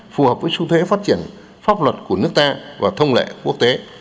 phù hợp với xu thế phát triển pháp luật của nước ta và thông lệ quốc tế